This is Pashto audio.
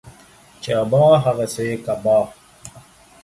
چي ابا ، هغه سي يې کبا.